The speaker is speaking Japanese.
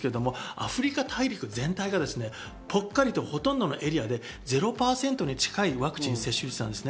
アフリカ大陸全体がぽっかりとほとんどのエリアで０％に近いワクチン接種率です。